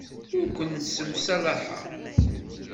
Ur ken-ssemṣalaḥeɣ.